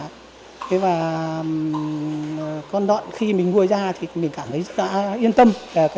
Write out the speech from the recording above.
con đoạn khi mình mua ra thì mình cảm thấy rất là yên tâm